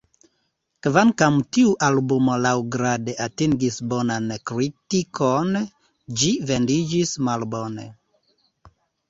Kvankam tiu albumo laŭgrade atingis bonan kritikon, ĝi vendiĝis malbone.